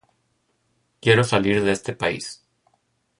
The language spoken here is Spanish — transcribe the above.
Quiero salir de este país".